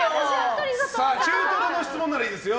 中トロの質問ならいいですよ。